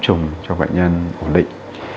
trùng cho bệnh nhân ổn định